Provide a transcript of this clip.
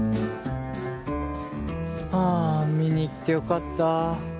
はあ、見に行って良かった。